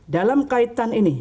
dalam kaitan ini